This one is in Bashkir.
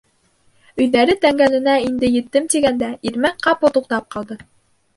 Өйҙәре тәңгәленә инде еттем тигәндә, Ирмәк ҡапыл туҡтап ҡалды.